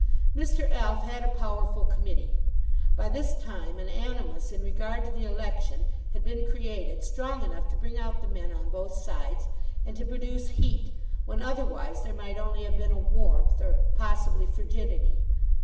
Mr. Alf had a powerful committee. By this time an animus in regard to the election had been created strong enough to bring out the men on both sides, and to produce heat, when otherwise there might only have been a warmth or possibly frigidity.